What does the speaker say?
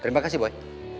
terima kasih boy